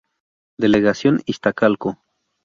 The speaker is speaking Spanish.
Delegación Iztacalco